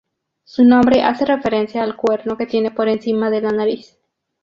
Su nombre hace referencia al cuerno que tiene por encima de la nariz.